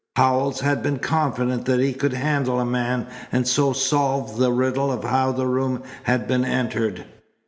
Howells had been confident that he could handle a man and so solve the riddle of how the room had been entered.